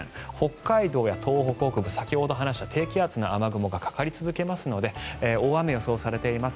北海道や東北北部先ほど話した低気圧の雨雲がかかり続けますので大雨が予想されています。